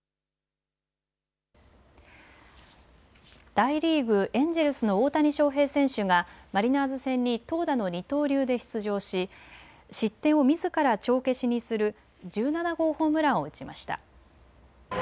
大リーグ、エンジェルスの大谷翔平選手がマリナーズ戦に投打の二刀流で出場し失点をみずから帳消しにする１７号ホームランを打ちました。